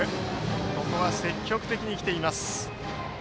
ここは積極的に来ています。